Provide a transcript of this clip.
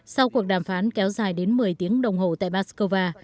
sau cuộc đàm phán kéo dài đến một mươi tiếng đồng hồ tại moscow